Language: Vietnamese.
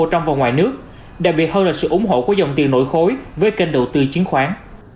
trong và ngoài nước đặc biệt hơn là sự ủng hộ của các thị trường chính khoán việt nam